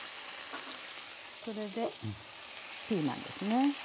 それでピーマンですね。